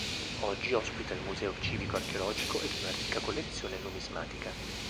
Oggi ospita il Museo civico archeologico ed una ricca collezione numismatica.